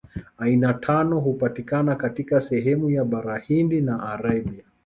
Aina ya tano hupatikana katika sehemu ya Bara Hindi na Arabia.